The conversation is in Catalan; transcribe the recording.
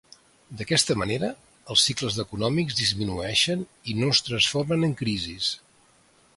D'aquesta manera, els cicles econòmics disminueixen i no es transformen en crisis.